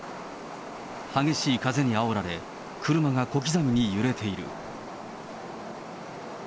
激しい風にあおられ、車が小刻みに揺れている。